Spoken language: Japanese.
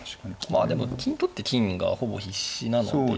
まあでも金取って金がほぼ必至なので。